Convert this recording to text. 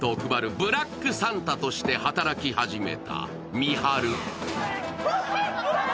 ブラックサンタとして働き始めた三春。